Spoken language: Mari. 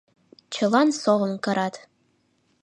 Чылан совым кырат.